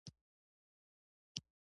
سردار پاينده محمد خان طلايي دورې شهزاده وو